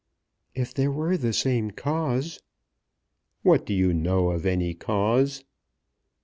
"If there were the same cause!" "What do you know of any cause?"